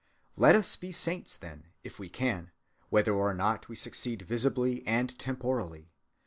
Let us be saints, then, if we can, whether or not we succeed visibly and temporally.